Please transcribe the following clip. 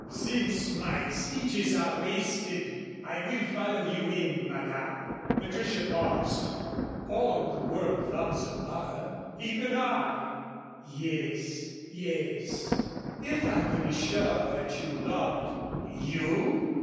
"Since my speeches are wasted, I will follow you in, Madame." Patricia paused. "All the world loves a lover even I " "Yes yes " "If I could be sure that you loved " "You?"